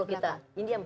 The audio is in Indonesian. retorika politik belakang